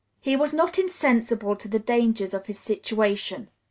He was not insensible to the dangers of his situation.